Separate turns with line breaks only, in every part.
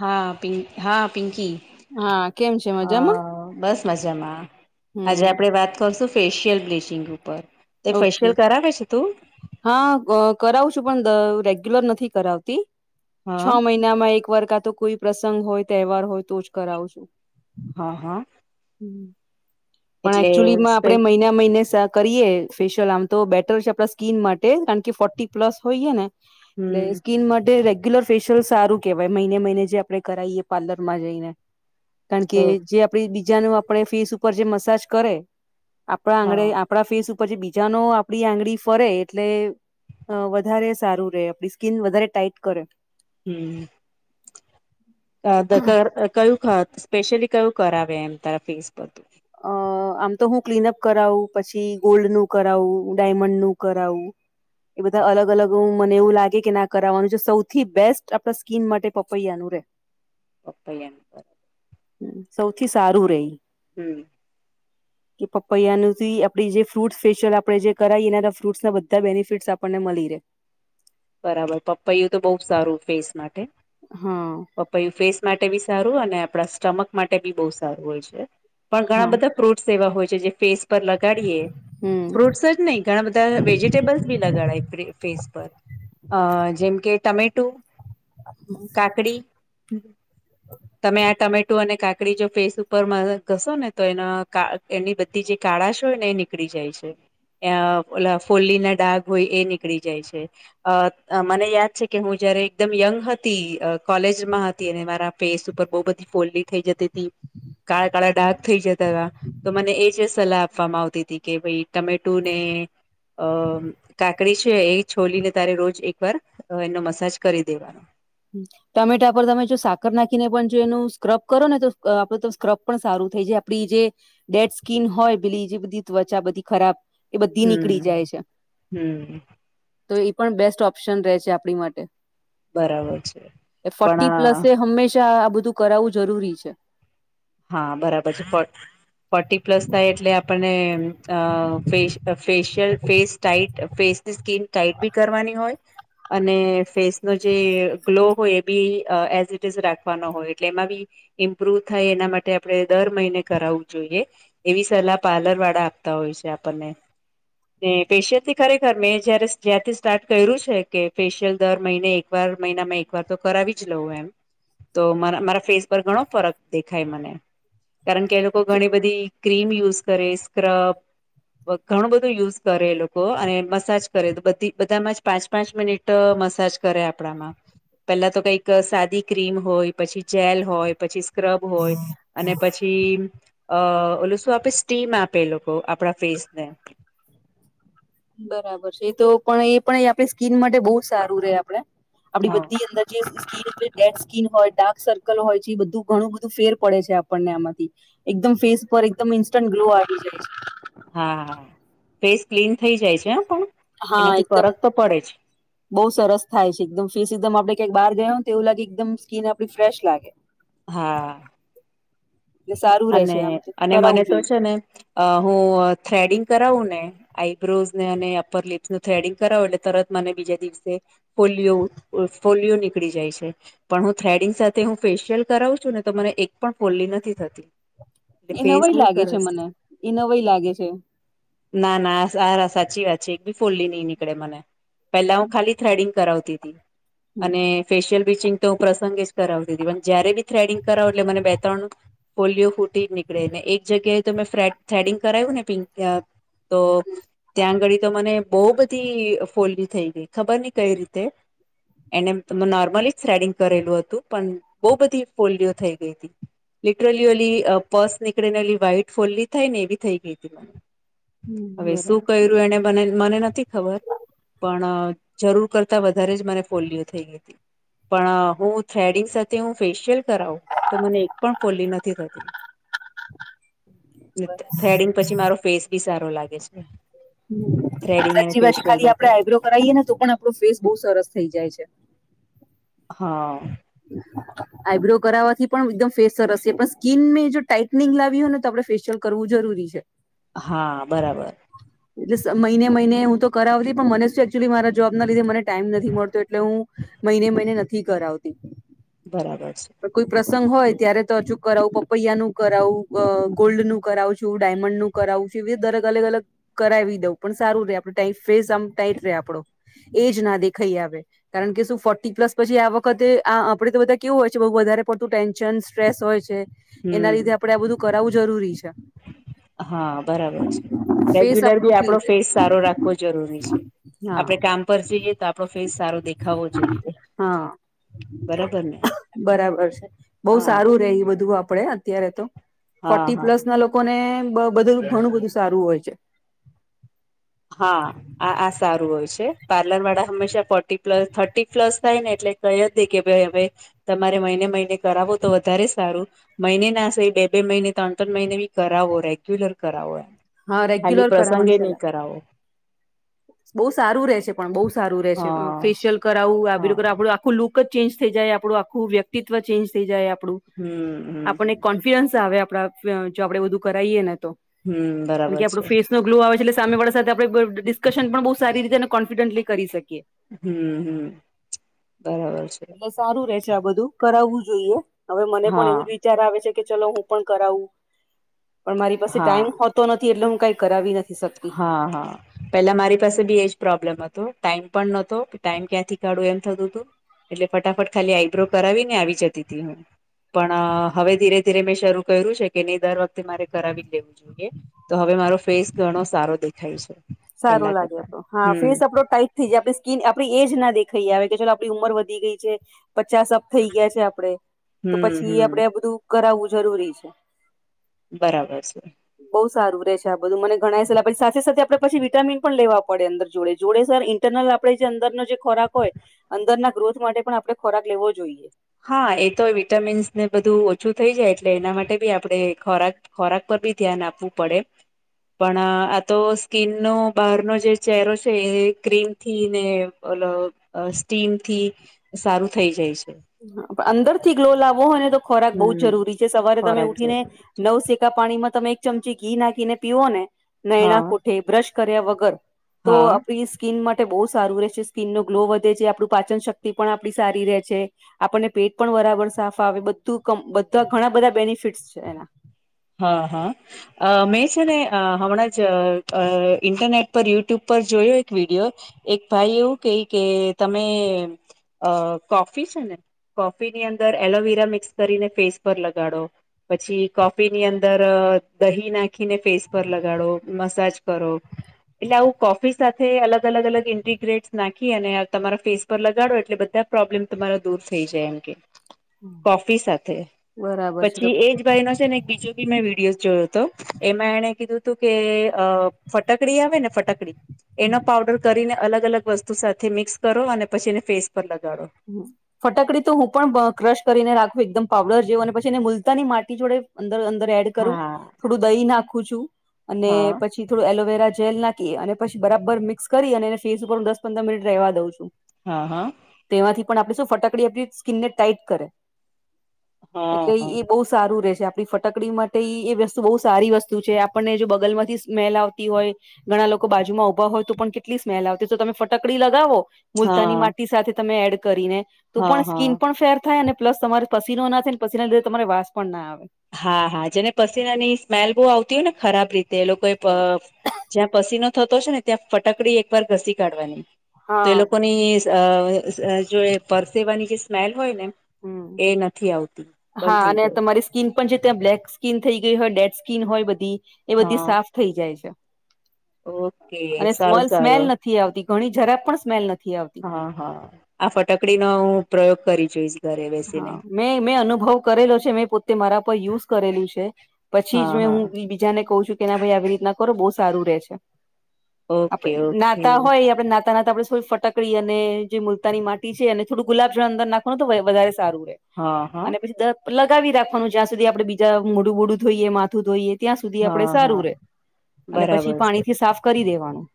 હા પિંક હા પિંકી.
હા કેમ છે મજામાં
હા બસ મજામાં આજે આપડે
હમ
વાત કરશું. ફેશિયલ બ્લચિંગ ઉપર તે
ઓકે
ફેશિયલ કરાવે છે તું
હા ક કરાવું છું પણ દ રેગ્યુલર નથી કરાવતી છ
હા
મહિના નામાં એક વાર કા તો કોઈ પ્રસંગ હોય તહેવાર હોય તો જ કરાવું છું.
હા હા.
પણ
એટલે
એકચુલી માં
સ્પે
આપણે મહિના મહિને સ કરીએ. ફેશિયલ આમ તો બેટર છે આપણા સ્કીિન માટે કારણ કે ફોર્ટી પ્લસ હોઈએ ને. એટલે
હમ
સ્કીન માટે રેગ્યુલર ફેશિયલ સારું કેહેવાય મહિને મહિને જે આપડણે કરાવાઈએ પાર્લર માં જઈને કારણ
ઓ
કે જે આપ બીજાનું આપણે ફેસ ઉપર જે મસાજ કરે આપણા આંગણે
હા
આપણા ફેસ ઉપર પછી બીજા ન આપડી આંગળી ફરે એટલે અ વધારે સારું રહેે આપડી સ્કીન વધારે ટાઈટ કરે.
હમ્મ. [inaudible] કયુ અ સ્પેશલી કયુ કરાવે તારા ફેસ પર.
અ આમ તો હું ક્લીનઅપ કરાવું પછી ગોલ્ડ નું કરાવું ડાયમંડ નું કરાવું એ બધા અલગ અલગ રુમ મને એવું લાગે કે ના કરાવવાનું છે સૌથી બેસ્ટ આપણા સ્કીન માટે પપૈયા નું રે.
પપૈયાં નુ કર.
સૌથી સારું રે ઇ.
હમ્મ.
કે પપૈયાં નુ જી આપડી જે ફ્રૂટ સ્પેશિયલ આપણે જે કરાઇ એના ફ્રૂટ્સ ના બધા બેનિફિટ્સ આપણને મળી રહે.
બરાબર પપૈયુ તો બહુ સારું ફેસ માટે.
હા.
પપૈયું ફેસ માટે બી સારું અને આપણા સ્ટમક માટે બી બહુ સારું હોય છે, પણ ઘણા
હા
બધા ફ્રૂટ્સ એવા હોય છે જે ફેસ પર લગાડીએ
હમ
ફ્રૂટ્સ જ. નહી ઘણા બધા વેજીિટેબલ્સ ભી લગાડાય ફે ફેસ પર. અ જેમ કે ટમેટું કાકડી
[inaudible]
તમે આ ટમેટો અને કાકડી જો ફેસ ઉપર મા ઘસો ને તો એના આ એની બધી. જે કાળાશ હોય ને એ નીકળી જાય છે. અ ઓલા ફોલ્લી ના ડાગ હોય એ નીકળી જાય છે. અ મને યાદ છે કે હું જયારે એકદમ યંગ હતી અ કોલેજમાં હતી અને મારા ફેસ ઉપર બહુ બધી ફોલ્લી થઈ જતી હતી કાળા કાળા ડાક થઈ જતા હતા. તો મને એ જે સલાહ આપવામાં આવતી હતી કે ભાઈ ટમેટુ ને. અ કાકડી છે એ છોલીને તારે રોજ એકવાર અ એનો મસાજ કરી દેવાનો
હમ્મ. ટમેટા પર તમે જો સાકર નાખીને પણ જો એનું સ્ક્રબ કરો ને તો અ આપણે તો સ્ક્રબ પણ સારું થઈ જાય આપડી જે. ડેડ સ્કીન હોય પેલી એ બધી ત્વચા બધી ખરાબ એ બધી નીકળી
હમ
જાય છે.
હમ
તો એ પણ બેસ્ટ ઓપ્શન રહે છે, આપણી માટે.
બરાબર છે.
એ ફોર્ટી
પણ
પ્લસે હંમેશા આ બધું કરાવવું જરૂરી છે.
હા બરાબર છે પણ ફોર્ટી પ્લસ થાય એટલે આપણને અ ફ facial face tight face skin tight બી કરવાની હોય. અને ફેસનો જે ગ્લો હોય એ બી એઝ ઇટ ઇઝ રાખવાનો હોય એટલે એમાં બી. ઇમ્પ્રુવ થાય એના માટ. તે આપણે દર મહિને કરાવવું જોઈએ એવી સલાહ પાર્લર વાળા આપતા હોય છે, આપણને ફેશિયલ થી ખરેખર મેં જયારે જ્યારથી સ્ટાર્ટ કર્યું છે, કે ફેશિયલ દર મહિને એક એક વાર મહિનામાં એક વાર તો કરાવી જ લઉં એમ તો મારા ફેસ પર ઘણો ફરક દેખાય મને કારણ કે એ લોકો ઘણી બધી ક્રીમ યુઝ કરે સ્ક્રબ ઘણું બધું યુઝ કરે એ લોકો અને મસાજ કરે તો બધી બધામાં જ પાંચ પાંચ મિનિટ તમસાજ કરે આપણામાં પેલા તો કઈક સાદી ક્રીમ હોય પછી જેલ હોય પછી સ્ક્રબ હોય અને પછી અ ઓલ શું આપે સ્ટીમ આપે એ લોકો આપણા ફેસને
બરાબર છે, એ તો પણ એ પણ આપણી સ્કીન માટે બહુ સારું રે આપડે આપડી
હ
બધી અંદર જે સ્કીન ડેટ સ્કીિન હોય ડાર્ક સર્કલ હોય જે બધું ઘણું બધું ફેર પડે છે, આપણને આમાંથી એકદમ ફેસ પર એકદમ ઇન્સ્ટન્ટ ગ્લો આવી જાય છે,
હા હા ફેસ ક્લીન થઇ જાય છે, હ પણ
હા
એનાથી
એકદમ
ફરક તો પડે જ
બઉુ સરસ થાય છે, એકદમ ફીસ એકદમ આપણે ક્યાક બહાર ગયા હોય ને તો એવું લાગે એકદમ સ્કીન આપડી ફ્રેશ લાગે
હા
એટલે સારું રે
અને
છે આમ તો
અને મને
કરાવવું
તો છે
જોઈએ
ને હું થ્રેડિંગ કરાવું ને આઈબ્રોઝ ને અને અપર લિપ્સ નું થ્રેડિંગ કરાવો એટલે તરત મને બીજા દિવસે ફોલિયો ફોલિયો નીકળી જાય છે. પણ હું થ્રેડિંગ સાથે હું ફેશિયલ કરાવું છું ને તો મને એક પણ ફોલ્લી નથી થતી. એટલે
એ
ફેસ
નવાઈ
બહુ
લાગે છે
સરસ
મને એ નવાઈ લાગે છે.
ના ના આ સાચી વાત છે એક બી ફૂલ્લી નઈ નીકળે મને પેલા હું ખાલી થ્રેડિંગ કરાવતી હતી
હમ
અને ફેશિયલ બ્લીચીંગ તો પ્રસંગે જ કરાવતી હતી પણ જ્યારે બી થ્રેડિંગ કરાવ એટલે મ બે ત્રણું ફીલિયો ફૂટી જ નીકળે ને એક જગ્યાએ તો મેં થ્રેડિંગ કરાવ્યું ને પિંક તો ત્યાં આંગળી તો મને બહ બધી ફોલી થઈ ગઈ ખબર નઈ કઈ રીતે એને નોર્મલી જ થ્રેડિંગ કરેલું હતું પણ બહુ બધી ફોલિયો થઈ ગઈ હતી. ટલી ઓલી પર્સ નીકળે ને ઓલી વાહાઈટ ફોલ્લી થઈ ને એવી થઈ ગઈ હતી. મને
હમ
હવે
બરાબર
શું કર્યું એને મ મને નથી ખબર પણ જરૂર કરતા વધારે જ મને ફોલિયો થઈ ગઈ હતી. પણ હું થ્રેડિંગ સાથે હું ફેશિયલ કરાવું તો મને ોલી નથી થતીંગ [unintelligible] પછી મારો ફેસ બી સારો લાગે છે. થ્રેડિંગ અને
સાચી વાત છે
ફેશિયલ
ખાલી આપડે
માટે
આઈબ્રો કરાવીએ ને તો પણ આપણો ફેસ બઉુ સરસ થઇ જાય છે.
હા
આઈબ્રો કરાવવાથી પણ એકદમ ફેસ સરસ છે પણ સ્કીનને જો ટાઈટનિંગ લાવી હોય ને તો આપણે ફેેશિયલ કરવું જરૂરી છે.
હા બરાબર.
એટલે મહિને મહિને હું તો કરાવતી પણ મને શું એકચુલી મારા જોબ ના લીધે મને ટાઈમ નથી મળતો એટલે હું મહિને મહિને નથી કરાવતી.
બરાબર છે.
કોઈ પ્રસંગ હોય ત્યારે તો અચૂક કરાવું પપૈયા નું કરાવું ગોલ્ડ નું કરાવું છું ડાયમંડ નું કરાવું છુ દરેક અલગ અલગ કરાવી દઉં પણ સારું રે આપ ફેસ આમ ટાઈટ રે આપડો એજ ના દેખાઈ આવે કારણ કે શું ફોર્ટી પ્લસ પછી આવક વખતે આ આપડે તો બધા કેવું હોય છે બઉ વધારે પડતું ટેન્શન સ્ટ્રેસ હોય છે. એના
હમ
લીધે આપડે આ બધું કરાવવું જરૂરી છે.
હા બરાબર છે
ફેસ
રેગ્યુલર
આપણું
બી
ક્લીન
આપડો
રે
ફેસ સારો રાખવો જરૂરી છે.
હા
આપડે કામ પર જઈએ તો આપણો ફેસ સારો દેખાવવો જોઈએ.
હા
બરાબર ને
બરાબર છે બહ
હા
સારું રે એ બધું આપડે અત્યારે તો
હા
ફોર્ટી
હા
પ્લસ ના લોકોને બધું ઘણું બધું સારું હોય છે.
હા આ આ સારું હોય છે, પાર્લર વાળા હંમેશા ફોર્ટી પ્લસ થર્ટી પ્લસ થાય ને એટલે કહી જ નહી કે ભાઈ હવે તમારે મહિને મહિને કરાવો તો વધારે સારું મહિને ના [unintelligible] બે બે મહિને ત્રણ ત્રણ મહિનેી કરાવો રેગ્યુલર કરાવો એમ.
હા
ખાલી
રેગ્યુલર કરાવવાની
પ્રસંગે
સલાહ
નહી કરાવો.
[unintelligible] સારું રે છે, પણ બહુ સારું રે છે,
હા
ફેશિયલ કરાવું આું
હા
કર આપડું આખું લુક જ ચેન્જ થઈ જાય આપણું આખું વ્યક્તિત્વ ચેન્જ થઈ જાય આપણું
હમ
આપને
હમ
કો આવે આપ જો આપડે બધું કરાવએ ને તો
હમ
કારણ
બરાબર
કે [unintelligible] આપણ ફે [unintelligible] છે, એટલે સામે વાળા સાથે આપણે ડિસ્કશન પણ બહુ સારી રીતે અને કોન્ફિડન્ટલી કરી શકીએ.
હમ હમ બરાબર છે.
એટલે સારું રે છે, આ બધું કરાવવું જોઈએ હવે મને પણ
હા
એવું રી વિચાર આવે છે, કે ચલો હું પણ કરાવું પણ મારી પાસે
હા
ટાઈમ તો નથી એટલે હું કઈ કરાવી નથી શકતી.
હા હા પેલા મારી પાસે બી એજ પ્રોબ્લેમ હતો ટાઈમ પણ નતો ટાઈમ ક્યાંથી કાઢું એમ થતું હતું. એટલે ફટાફટ ખાલી આઈબ્રો કરાવીને આવી જતી [unintelligible] હતી હું પણ હવે ધીરે ધીરે મેં શરૂ કર્યું છે, કે નહી દર વખતે મારે કરાવી જ લેવું જોઈએ તો હવે મારો ફેસ ઘણો સારો દેખાય છે. પેલા
સારું લાગે
કરતા
આપ હા
હમ
ફીસ આપડો ટાઈટ [unintelligible] આપ સ્કીન આપણી એજ ના દેખાઈ આવે કે ચાલ આપણી ઉંમર વધી ગઈ છે, પચાસપ થઈ ગયા છે, આપડે તો
હમ
પછી આપડે આ
હમ
બધું કરાવવું જરૂરી છે
બરાબર છે
બહુ સારું રહેે છે, આ બધું મને ઘણાાય સલા પછી સાથે સાથે આપડણે પછી વિટામિન પણ લેવા પડે અંદર જોડે જોડે સર ઇન્ટરનલ આપણેે જે અંદરનો જે ખોરાક હોય અંદરના ગ્રોથ માટે પણ આપડણે ખોરાક લેવો જોઈએ
હા એ તો વિટામીન્સ ને બધું ઓછું થઈ જાય એટલે એના માટે બી આપણે ખોરાક ખોરાક પર ભી ધ્યાન આપવું પડે પણ આ તો સ્કીિન નો બહારનો જે ચહેરો છે, એ ક્રીમ થી ને ઓલ સ્ટીમ થી સારું થઈ જાય છે.
પણ અંદર થી ગ્લો લાવવો હોય ને તો ખોરાક બહુ
હમ
જરૂરી છે, સવારે તમે
ખોરાક જરૂર
ઉઠીને નવ સેકા પાણીમાં તમે ચમચી ઘી નાખીને પીવો ને
હા
નયણા કોઠે બ્રશ કર્યા વગર તો
હા
આપડી સ્કીિન માટે બહુ સારું રહે છે, સ્કીિનનોો ગ્લો વધે છે, આપણું પાચન શક્તિ પણ આપણી સારી રહે છે. આપણને પેટ પણ બરાબર સાફા આવે બધું બધા ઘણા બધા બેનિફિટ્સ છે, એના
હા હા અ મેં છે, ને હમણાં જ ઇન્ટરનેટ પર યુટ્યુબ પર જોયો એક વિડિયો એક ભાઈ એવું કહી કે તમે કોફી છો ને કોફી ની અંદર એલોવીરા મિક્સ કરીને ફેસ પર લગાડો પછી કોફી [unintelligible] અંદર દહી નાખીને ફેસ પર લગાડો મસાજ કરો એટલે આવું કોફી સાથે અલગ અલગ અલગ ઇન્ટિગ્રેટસ નાખી અને તમારા ફેસ [unintelligible] લગાડો એટલે બધા પ્રોબ્લેમ તમારા દૂર થઈ જાય એમ કે કોફી સાથે
બરાબર છે તો
પછી એજ ભાઈ ન છે, ને એક બીજો બી મેં [unintelligible] જોયો હતો એમાં એણે કીધું હતું કે અ ફટકડી આવે ને ફટાકડી
હમ
એનો પઉડર કરીને અલગ અલગ વસ્તુ સાથે મિક્સ કરો અને પછી એને ફેસ પર લગાડો
ફટાકડી તો હું પણ ક્રશ કરીને રાખું એકદમ પાવડર જેવું અને પછી એને મુલતાની માટી જોડે અંદર અંદર એડ કરું
હા
થોડું દહી નાખું છું અને
હા
પછી થોડું એલોવેરા જેલ નાખી અને પછી બરાબર મિક્સ કરી અને એ ફેસ ઉપર હું દસ પંદર મિનિટ [unintelligible] દઉ છું
હા હા
તેમાંથી પણ આપણે શું ફટાકડી આપણી સ્કીિનન [unintelligible] કરે
હા
એટલે
હા હા
એ બહ સારું [unintelligible] છે, આપણી ફટકડી માટે એ વસ્તુ બહુ સારી વસ્તુ છે, આપણને જો બગલમાંથી સ્મેલ આવતી હોય ઘણા લોકો બાજુમાં ઉઊભા હોય તો પણ કેટલી સ્મેલ આવતી તો તમે ફટકડી લગાવો મુલતાની
હા
માટી સાથે તમે એડ કરીને તો પણ
હા
સ્કીન પણ ફેર થાય અને પ્લસ તમારે પસીનો ના થાય અને પસીના લીધે તમારે વાસ પણ ના આવે.
હા હા જેને પસીનાની સ્મેલ બો આવતી હોય ને ખરાબ રીતે એ લોકો એ જ્યાં પસીનો થતો છે ને ત્યાં ફટકડી એક વાર ઘસી કાઢવાની તો એ
હા
લોકોની અ અ જે પરસેવાની જે સ્મેલ હોય ને
હમ
એ નથી આવતી બંધ
હા
થઈ
અને
જાય.
તમારી સ્કીન પણ છે ત્યાં બ્લેક સ્કીન થઈ ગઈ હોય, ડેડ સ્કીન હોય બધી એ બધી
હા
સાફ થઈ જાય છે
ઓકે
અને સમે
સારું
સ્મેલ
સારું
નથી નથી આવતી ઘણી જરાય પણ સ્મેલ નથી આવતી.
હા હા આ ફટકડીનો હું પ્રયોગ કરી જોઈશ. ઘરે બેસીને
હા મેં મેં અનુભવ કરેલો છે મેં પોતે મારા પર યુઝ કરેલું છે. પછી જ
હા
મેં
હા
હું બીજાને કવ છું કે ના ભાઈ આવી રીતના કરો બો સારું રે છે આપડે
ઓકે ઓકે
નાતા હોય આપડે નાતા નાતા પછી આપડે ફટક ફટકડી અને જે મુલતાની માટી છે અને થોડું ગુલાબ જળ અંદર નાખવાનું તો વધારે સારું રય.
હા હા
અને પછી દ લગાવી રાખવાનું જ્યાં સુધી આપડે બીજા મોડું બોડું ધોઈએ, માથું ધોઈએ. ત્યાં સુધી આપડે
હા હા
સારું રે અને પછી
બરાબર છે
પાણીથી સાફ કરી દેવાનું.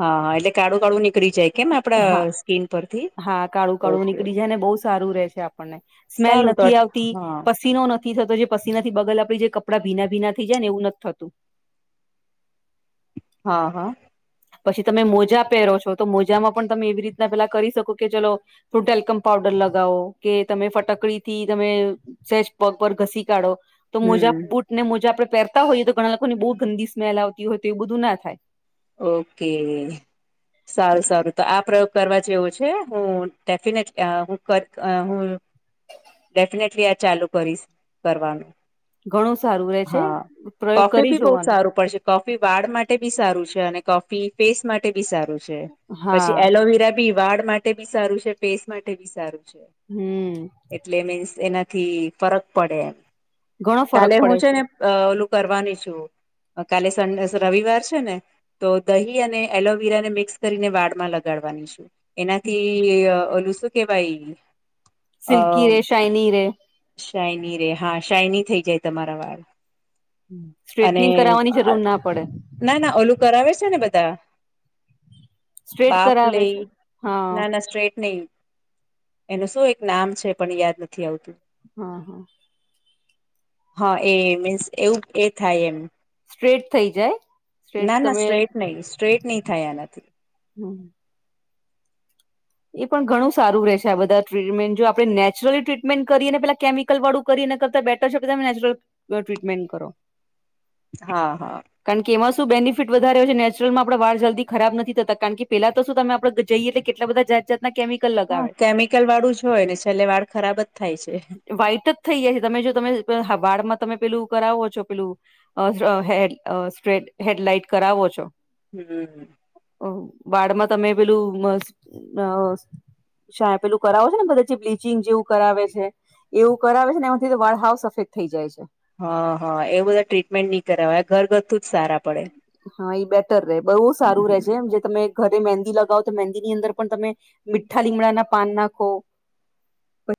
હા એટલે કાળું કાળું નીકળી જાય કેમ આપડા
હા
સ્કીન પરથી
હા કાળું કાળું
ઓકે ઓકે.
નીકળી જાય ને બહુ સારું રેય છે આપણ ને સ્મેલ
તો
નથી આવતી,
હા
પસીનો નથી નથી થતો જે પસીના થી બગલ આપડી જે કપડાં ભીના ભીના થઈ જાયને એવું નથી થતું.
હા હા.
પછી તમે મોજા પહેરો છો તો મોજામાં પણ તમે એવી રીતના પેલા કરી શકો કે ચલો થોડો ટેલ્કમ પાઉડર લગાવો કે તમે ફટકડીથી તમે સેજ પગ પર ઘસી કાઢો. તો મોજા
હમ
બુટ ને મોજા આપડે પહેરતા હોઈએ તો ઘણા લોકોની બો ગંદી સ્મેલ આવતી હોય તો એવું બધું ના થાય.
ઓકે સારું સારું તો આ પ્રયોગ કરવા જેવો છે હું ડેફિનેટલી હું હું ડેફિનેટલી આ ચાલુ કરીશ કરવાનું.
ઘણું સારું રે છે
હા
પ્રયોગ
કોફી
કરી
ભી બો
જોવાનો
સારું પડશે. કોફી વાળ માટે બી સારું છે અને કોફી ફેસ માટે બી સારું છે. પછી
હા
એલોવેરા બી વાળ માટે બી સારું છે, ફેસ માટે બી સારું. છે
હમ
એટલે મીન્સ એનાથી ફરક પડે એમ.
ઘણો ફરક
કાલે હું
પડે
છે ને અ ઓલું કરવાની છું કાલે સન્ડે રવિવાર છે ને. તો દહી અને એલોવીરા ને મિક્સ કરીને વાળમાં લગાડવાની છું. એનાથી ઓલું શું કેવાય
સિલ્કી રેય, સાઇની રેય.
સાઈની રેય. હા સાઇની થઈ જાય તમારા વાળ.
હમમ
અને
સ્ટ્રેટનિંગ કરાવવાની જરૂર ના પડે.
ના ના ઓલું કરાવે છે ને બધા.
સ્ટ્રેટ
બાફ
કરાવે છે
લેય
હા
ના ના સ્ટ્રેટનિગ એનું શું એક નામ છે પણ યાદ નથી આવતું.
હા હા.
હા એ મીન્સ એવું એ થાય એમ.
સ્ટ્રેટ થઈ જાય. સ્ટ્રેટ
ના ના
તમે
સ્ટ્રેટ નય સ્ટ્રેટ નય થાય આનાથી.
[unintelligible] એ પણ ઘણું સારું રે છે આ બધા ટ્રીટમેન્ટ જો આપણે નેચરલી ટ્રીટમેન્ટ કરીએ પેલા કેમિક કેમિકલ વાળું કરયે એના કરતા બેટર છે તમે નેચરલ ટ્રીટમેન્ટ કરો.
હા હા.
કારણ કે એમાં શું બેનિફિટ વધારે છે નેચરલ માં આપણે વાળજલ્દી ખરાબ નથી થતા કારણ કે પેલા તો શું તમે આપડે જઈએ એટલે કેટલા બધા જા. જતા કેમિકલ
હા
લગાવે
કેમિકલ વાળું જ હોય ને છેલ્લે વાળ ખરાબ જ થાય છે.
વાઈટ જ થઈ જાય છે તમે જો તમે હબાડમાં તમે પેલું કરાવો છો પેલું. અ હ હેડલાઈટ કરાવો છો.
[inaudible]
વાડમાં તમે પેલું. શા પેલું કરાવો છે ને બધા જે બ્લીિચિંગ જેવું કરાવે છે. એવું કરાવે છે ને એમાંથી તો વાળ હાઉ સફેક્ટ થઈ જાય છે.
હા હા એ બધા ટ્રીટમેન્ટ નહી કરાવય ઘર ઘરથું જ સારા પડે
હા બેટર રે બહુ
હમ
સારું રહેે
હમ
છે એમ જે તમે. ઘરે મહેંદી લગાવો તો મહેંદી ની અંદર પણ તમે મીઠા લીમડાના પાન નાખો.